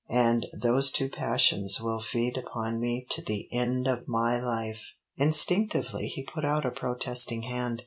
And those two passions will feed upon me to the end of my life!" Instinctively he put out a protesting hand.